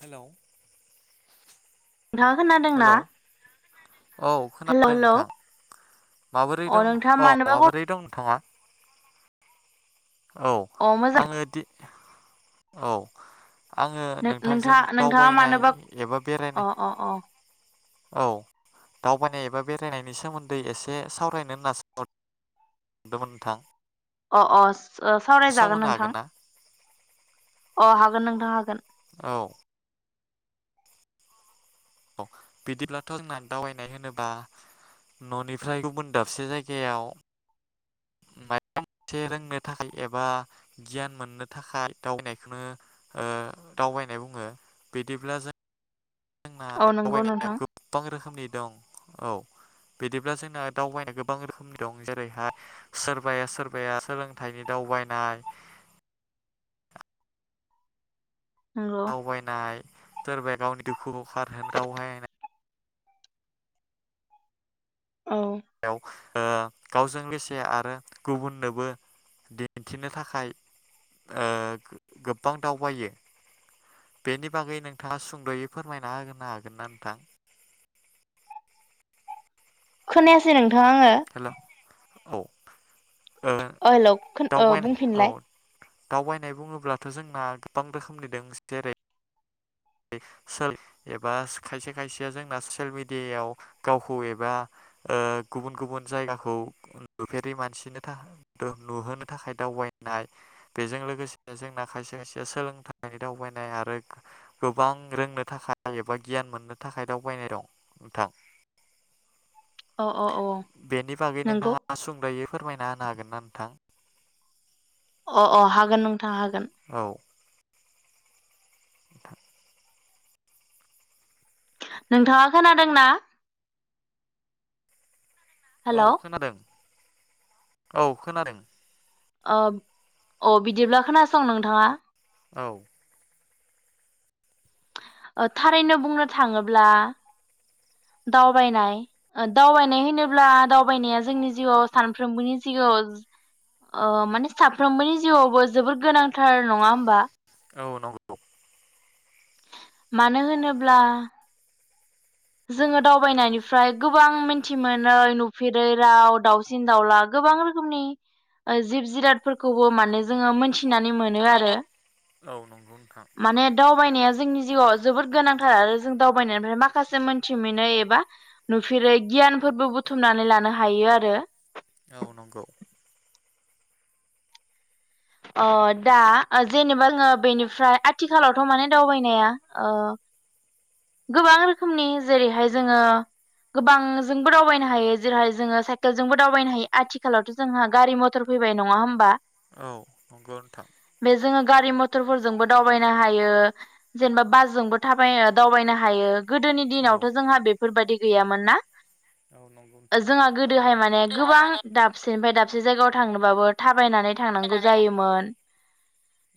Hello. नोंथाङा खोनादोंना hello औ हेल' खोनादों हेल' नोंथां माबोरै अ दं नोंथाङा औ मानोबा कल माबोरै दं नोंथाङा। औ अ मोजां आङो दि औ। आंङो नोंथांजों नोंथाङा नोंथाङा दावबायनाय मानोबा एबा अ बेरायनाय अ अ औ दावबायनाय एबा बेरायनायनि सोमोन्दै एसे सावरायनो होनना [unintelligible] दोमोन नोंथां। अ अ स ओ सावरायजागोन नोंथां। अ हागोन नोंथां हागोन। औ बिदिब्लाथ जोंना दावबायनाय होनोबा न'निफ्राय गुबुन दाबसे जायगायाव [unintelligible] मोनसे रोंनो थाखाय एबा गियान मोननो थाखाय दावबायनायखौनो ओ दावबायनाय बुंङो बिदिब्ला जों जोंना औ नंगौ दावबायनाया नोंथां गोबां रोखोमनि दं। औ बिदिब्ला जोंना दावबायनाय गोबां रोखोमनि दं जेरैहाय सोरबाया सोरबाया सोलोंथाइनि दावबायनाय। नंगौ दावबायनाय सोरबाया गावनि दुखुखौ खारहोन दावबायनाय औ याव ओ गावजों एसे आरो गुबुननोबो दिन्थिनो थाखाय ओ गोबां दावबायो बेनि बागै नोंथांङा सुंदयै फोरमायना होनो हागोन ना नोंथां? खोनायासै नों [unintelligible] औ ओ हेलौ खोन‌ ओ बुंफिनलाय। दावबायनाय बुङोब्लाथ जोंना गोबां रोखोमनि दों जेरै [unintelligible] एबा खायसे खायसेया जोंना ससियेल मिडियायाव गावखौ एबा ओ गुबुन गुबुन जायगाखौ नुफेरै मानसिनो थाखा नुहोनो थाखाय दावबायनाय बेजों लोगोसे जोंना खायसे खायसेया सोलोंथाइनि दावबायनाय आरो गोबां रोंनो थाखाय एबा गियान मोननो थाखाय दावबायनाय दं नोंथां। औ औ औ बेनि बागै नंगौ नोंथांङा सुंदयै फोरमायना होनो हागोन ना नोंथां? अ अ हागोन नों थां हागोन [unintelligible] नोंथांङा खोनादोंना? औ हेल' खोनादों। औ खोनादों। अ अ बिदिब्ला खोनासं नोंथांङा औ ओ थारैनो बुंनो थांङोब्ला दावबायनाय ओ दावबायनाय होनोब्ला दावबायनाया जोंनि जिउआव सानफ्रोमबोनि जिउआव ओ माने साफ्रोमबोनि जिउआवबो जोबोर गोनांथार नङा होमबा? औ नंगौ मानो होनोब्ला जोनङो दावबायनायनिफ्राय गोबां मिन्थि मोनै नुफेरै राव दाउसिन दाउला गोबां रोखोमनि जिब जिरादफोरखौबो माने जोंङो मोनथि थिनानै मोनो आरो माने दावबायनाया जोंनि जिउआव जोबोद गोनांथार आरो जों दावबायनायनिफ्राय माखासे जि मोनथि मोनै एबा नुफेरै गियानफोरबो बुथुमनानै लानो हायो आरो। औ नंगौ। ओ दा ओ जेनेबा जोंङो बेनिफ्राय आथिखालावथ माने दावबायनाया ओ गोबां रोखोमनि जेरैहाय जोंङो गोबांजोंबो दावबायनो हायो जेरैहाय जोंङो साइकेलजोंबो दावबायनो हायो आथिखालावथ जोंहा गारि मटर फैबाय नङा होमबा? औ नंगौ नोंथां। बे जोङो गारि मथरफोरजोंबो दावबायनो हायो। जेनेबा बासजोंबो थाबायो दावबायनो हायो। गोदोनि दिनावथ' जोंहा बे फोरबायदि गैयामोन ना? ओ जोंहा गोदोहाय माने गोदोहाय गोबां माने दाबसेनिफ्राय दाब से जायगायाव थांनोबाबो थाब थाबायनानै थांनांगौ फरायनानै जायोमोन।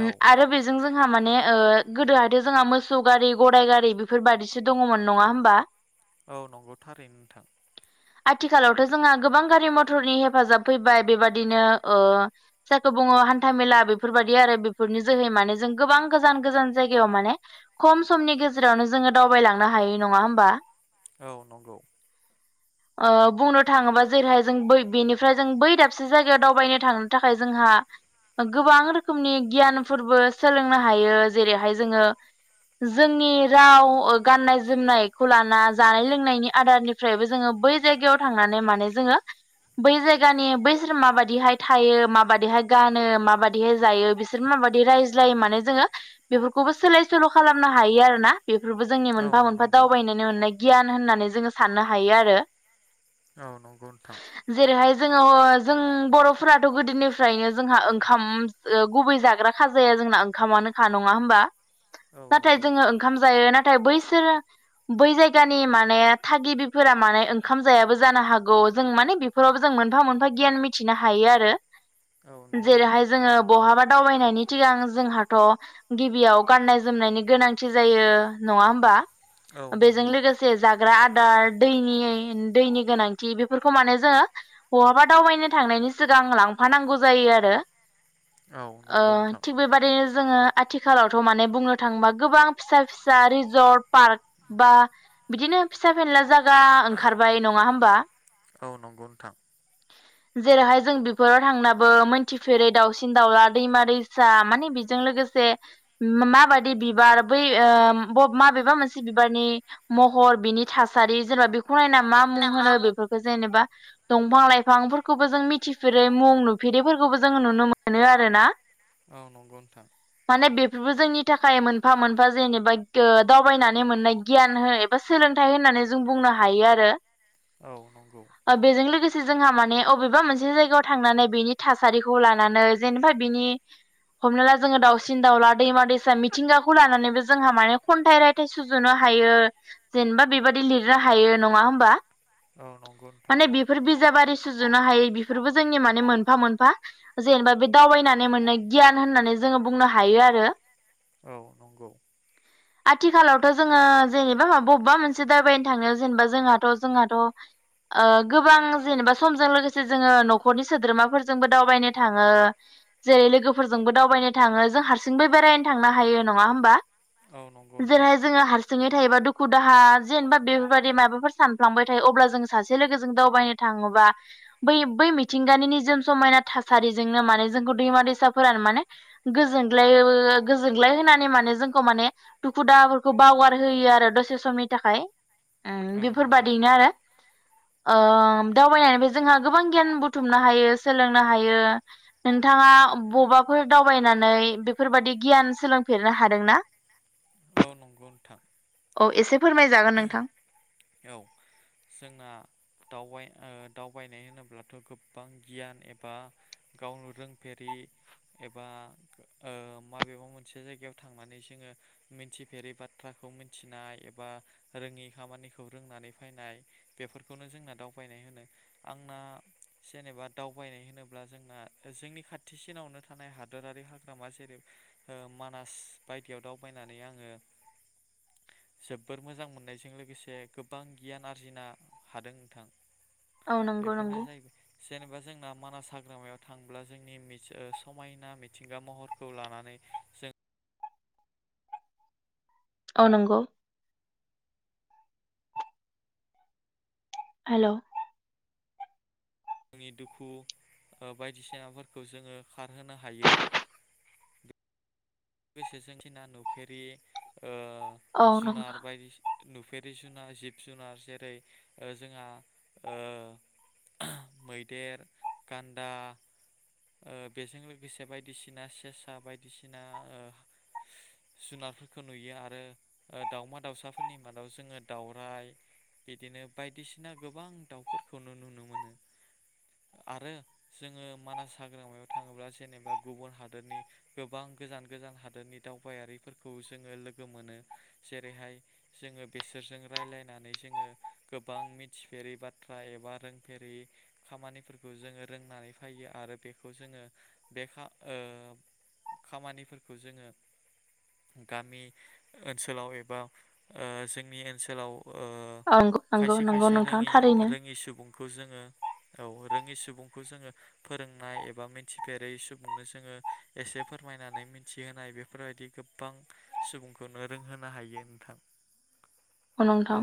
ओ आरो बेजों जों जोंहा माने ओ गोदोहायथ' जोंहा मोसौ गारि, गराइ गारि बेफोर बाददिसो दङमोन नङा होमबा? औ नंगौ थारैनो नोंथां। आथिखालावथ' जोंहा गोबां गारि मथरनि हेफाजाब फैबाय बेबायदिनो ओ जायखौ बुङो हान्था मेला बेफोरबाय दि आरो बेफोरनि जोहै माने जों गोबां गोजान गोजान जायगायाव माने खम समनि गेजेरावनो जोङो दावबायलांनो हायौ नङा होमबा? औ नंगौ ओ बुंनो थाङोबा जेरैहाय जों बै बेनिफ्राय जों बै दाबसे जायगायाव दावबायनो थांनो थाखाय जोंहा गोबां रो खोमनि गियानफोरबो सोलोंनो हायो जेरैहाय जोङो, जोंनि राव ओ गाननाय जोमनायखौ लाना जानाय लोंनायनि आदारनिफ्रायबो जोङो बै जायगायाव थांनानै माने जोङो बै जायगानि बैसोर माबायदिहाय थायो माबायदिहाय गानो माबायदिहाय जायो बिसोर माबायदि रायज्लायो माने जोङो बेफोरखौबो सोलाय सोल' खालामनो हायो आरोना बेफोरबो जोंनि मोनफा मोनफा दावबायनानै मोननाय गियान होननानै जोङो साननो हायो आरो। औ नंगौ नोंथां जेरैहाय जोङो जों बर'फोराथ' गोदोनिफ्रायनो जोंहा ओंखाम ओ गुबै जाग्रा खाजाया जोंना ओंखामानोखा नङा होमबा? नाथाय जोङो ओंखाम जायो ना थाय बैसोर बै जायगानि माने थागिबिफोरा माने ओंखाम जायाबो जानो हागौ जों माने बेफोरावबो जों मोनफा मोनफा गियान मिथिनो हायो आरो। जेरैहाय जोङो बहाबा दावबायनायनि सिगां जोंहाथ' गिबियाव गाननाय जोमनायनि गोनांथि जायो नङा होमबा? बेजों लोगोसे जा ग्रा आदार दैनि दैनि गोनांथि बेफोरखौ माने जोङो बहाबा दावबायनो थांनायनि सिगां लांफानांगौ जायो आरो। ओ थिग बेबादिनो जोङो आथिखालावथ' माने बुंनो थाङोबा गोबां फिसा फिसा रिजर्ट पार्क बा बिदिनो फिसा फेनला जा जा ओंखारबाय नङा होमबा? जेरैहाय जों बेफोराव थांनाबो मोनथिफेरै दावउसि दावला दैमा दैसा माने बेजों लोगोसे माबायदि बिबार बै माबेबा मोनसे बिबारनि महर बिनि थासारि जेनेबा बे फरायना मा मुं होनो बेफोरखौ जेनेबा दंफां लाइफांफोरखौबो जों मिथिफेरै मुं नुफेरैफोरखौबो जों नुनो मो नो आरो ना। औ नंगौ नोंथां। बेबो जोंनि थाखाय मोनफा मोनफा जेनेबा ओ दावबायनानै मोननाय गियान हो एबा सोलोंथाइ होननानै जों बुंनो हायो आरो औ नंगौ ओ बेजों लोगोसे जोंहा माने अबेबा मोनसे जायगायाव थांनानै बेनि थासारिखौ ला नानै जेनेबा बिनि हमना ला जोङो दावसिन दाउला दैमा दैसा मिथिंगाखौ लानानैबो बे जोंहा माने खन्थाइ रायथाइ सुजुनो हायो जेनेबा बेबायदि लिरनो हायो नङा होमबा? औ नंगौ नोंथां। बिजाब आरि सुजुनो हायो बेफोरबो जोंनि माने मोनफा मोनफा। जेनेबा बे दावबायनानै मोननाय गियान होननानै जोङो बुंनो हायो आरो। औ नंगौ। आथिखालावथ जोङो जेनेबा मा बबेबा मोनसे दावबायनो थाङो जेनेबा जोंहाथ जोंहाथ ओ गोबां जेनेबा समजों लोगोसे जोङो नखरनि सोद्रोमाफोरजोंबो दावबायनो थाङो जेरै लोगोफोरजोंबो दावबायनो थाङो जों हारसिंबो बेरायनो थांनो हायो नङा होमबा जेरैहाय जोङो हारसि सोङै थायोबा दुखु दाहा जेनेबा बेफोरबायदि माबाफोर सानफ्लांबाय थायो अब्ला जों सासे लोगोजों दावबायनो थाङोबा बै बै मिथिंगानि निजोम समायना थासा सारिजोंनो माने जोंखौ दैमा दैसाफोरानो माने गोजोनग्लायबो गोजोनग्लाय होनानै माने जोंखौ माने दुखु दाहफोरखौ बावगार होयो आरो दसे समनि थाखाय ओम बेफोरबादिनो आरो ओ दावबायनायनैबो जोंहा गोबां गियान बुथुमना हायो सोलोंनो हायो हायो नोंथाङा बबाफोर दावबायनानै बेफोरबादि गियान सोलोंफेरनो हादोंना? औ नंगौ नोंथां औ एसे फोरमायजागोन नोंथां औ जोंना दावबाय ओ दावबायनाय होनोब्लाथ गोबां गियान एबा गावनो रोंफेरि एबा ओ माबेबा मोनसे जायगायाव थांनानै जोङो मिथिफेरि बाथ्राखौ मिथिनाय एबा रोङै खामानि खौ रोंनानै फैनाय बेफोरखौनो जोंना दावबायनाय होनो आंना सेनेबा दावबायनाय होनोब्ला जोंना जोंनि खाथिसिनावनो थानाय हादोरारि हाग्रामा जेरै ओ मानास बायदियाव दावबायनानै आङो जोबोर मोजां मोननायजों लोगोसे गोबां गियान आरजिनो हादों नोंथां औ नंगौ बेफोरनो नंगौ जाहैबाय जेनेबा। जोंना मानास हाग्रामायाव थांब्ला जोंनि समायना मिथिंगा महरखौ लानानै जों। औ नंगौ हेलौ जोंनि दुखु ओ बायदिसिनाफोरखौ जोङो खारहोनो हायो। गोजों थिना नुफेरि ओ औ नंगौ जुनार बायदिसि नुफेरि जुनार जिब जुनार जेरै ओ जोंहा ओ मैदेर, गान्दा ओ बेजों लोगोसे बायदिसिना सेसा बायदिसिना ओ जुनारफोरखौ नुयो आरो ओ दावमा दावसाफोरनि मादाव जोङो दाउराइ बिदिनो बायदिसिना गोबां दाउफोरखौनो नुनो मोनो आरो जोङो मानास हाग्रामायाव थाङोब्ला जेनेबा गुबुन हादरनि गोबां गोजान गोजान हादोरनि दावबायारिफोरखौ जोङो लोगो मोनो जेरैहाय जोङो बेसोरजों राय्लायनानै जोङो गोबां मिथिफेरै बाथ्रा एबा रोंफेरै खामानिफोरखौ जोङो रोंनानै। फैयो आरो बिखौ जोङो बे खामा खामानिफोरखौ। बो जोङो गामि ओनसोलाव एबा ओ जोंनि ओनसोलाव बो ओ औ नंगौ नंगौ खायसे नंगौ खायसे नोंथां रोङि थारैनो रोङि सुबुंखौ जोङो औ रोङि सुबुंखौ जोङो फोरोंनाय एबा मिथिफेरैय सुबुंनो जोङो एसे फोरमायनानै। थि होनाय बेफोर बायदि गोबां सुबुंखौनो रोंहोनो हायो नोंथां। अ नंथां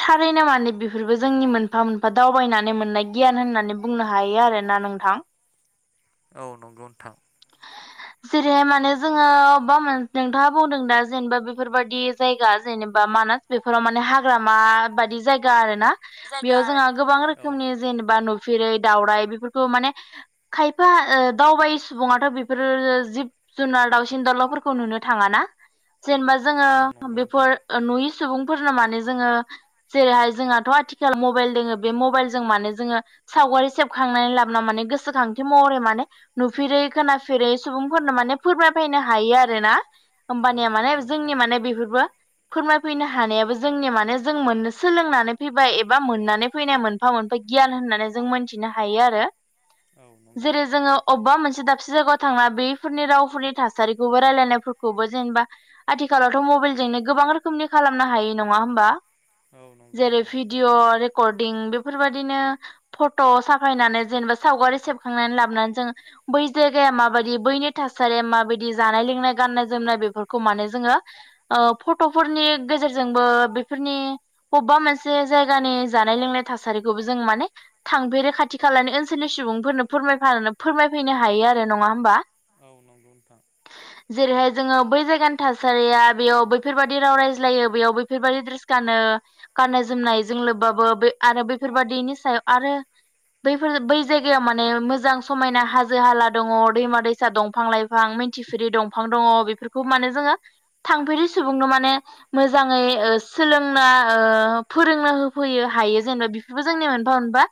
थारैनो माने बिफोरबो जोंनि मोनफा मोनफा दावबायनानै मोननाय गियान होननानै बुंनो हायो आरोना नोंथां औ नंगौ नोंथां। जेरैहाय माने जोङो बा मोन नोंथाङा बुंदों दा जेनेबा बेफोरबायदि जायगा जेनेबा मानास बेफोराव माने हाग्रामा बायदि जायगा आरोना जायगा बेयाव आरो जोंहा गोबां रोखोमनि जेनेबा जेरै दाउराय बेफोरखौ माने खायफा ओ दावबायै सुबुङाथ बेफोरो जिब जुनार दाउसिन दाउलाफोरखौ नुनो थाङाना जेनेबा जोङो बेफोर नुयि सुबुंफोरनो माने जोङो जेरैहाय जोंहाथ आथिखाल मबेल दोङो बे मबेलजों माने जोङो सावगारि सेबखांनानै लाबना माने गोसोखां थि महरै माने नुफेरै खोनाफेरै सुबुंफोरनो माने फोरमायफैनो हायो आरोना। होमबानिया माने जोंनि माने बेफोरबो फोरमायफैनो हानायाबो जोंनि माने जों मोननो सोलोंनानै फैबाय एबा मोननानै फैनाय मोनफा मोनफा गियान होननानै जों मोनथिनो हायो आरो जेरै जोङो अबेबा मोन से दाबसे जायगायाव थांना बफोरनि रावफोरनि थासारिखौबो रायलायनायफोरखौबो जेनेबा आथिखालावथ मबेइलजोंनो गोबां रोखोमनि खालामनो हायो नङा होमबा जेरै भिडिअ रेकर्डिं बेफोरबायदिनो फट साफायनानै जेनेबा सावगारि सेब खांनानै लाबनानै जोङो बै जायगाया माबायदि बैनि थासारिया माबायदि जानाय लोंनाय गाननाय जोमनाय बेफोरखौ माने जोङो फटफोरनि गेजेरजोंबो बेफोरनि बबेबा मोनसे जायगानि जानाय लोंनाय थासारिखौबो जों माने थांफेरै खाथि खालानि ओनसोलनि सुबुंफोरनो फोरमायफानो फोरमायफैनो हायो आरो नङा होमबा जेरैहा जोङो बै जायगानि थासारिया बेयाव बैफोरबादि राव रायज्लायो बेयाव बैफोरबायादि द्रेस गानो गान्नाय जोमनायजों लोब्बाबो बे आरो बैफोरबादिनि सायाव आरो बैफोर बै जायगायाव माने मोजां समायना हाजो हाला दङ दैमा दैसा दंफां लाइफां मिन्थिफेरि दंफां दङ बेफोरखौ माने जोङो थांफेरि सुबुंनो माने मोजाङै ओ सोलोंना ओ फोरोंनो होफैनो हायो जेनेबा बेफोरबो जोंनि मोनफा मोनबा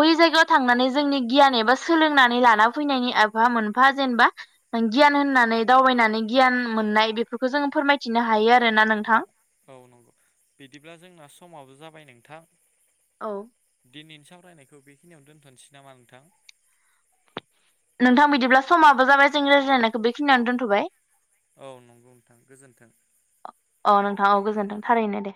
बै जायगायाव थांनानै जोंनि गियान एबा सोलोंनानै लाना फैनायनि आफा मोनफा जेनेबा गियान होननानै दावबायनानै गियान मोननाय बेफोरखौ जोङो फोरमायथिनो हायो आरोना नोंथां। औ नंगौ बिदिब्ला जोंना समाबो जाबाय नोंथां औ दिनैनि सावरायनायखौ बेखिनियावनो दोन्थनोसै नामा नोंथां नोंथां बिदिब्ला समाबो जाबाय जों रायज्लायनायखौ बेखिनियानो दोन्थबाय। औ नोंथां औ गोजोन्थों थारैनो दे।